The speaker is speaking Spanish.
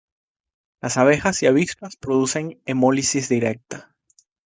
Las abejas y avispas producen hemólisis directa.